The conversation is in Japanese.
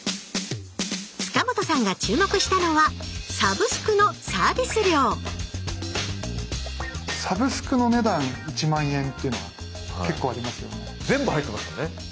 塚本さんが注目したのはサブスクのサービス料サブスクの値段１万円っていうのが結構ありますよね？